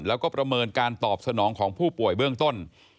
แล้วก็ประเมินการตอบสนองของผู้ป่วยเบื้องต้น